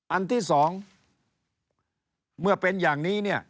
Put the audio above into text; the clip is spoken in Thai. อันที่สองเมื่อเป็นอย่างนี้เนี่ย